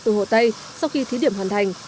từ hồ tây sau khi thí điểm hoàn thành